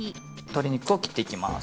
鶏肉を切っていきます。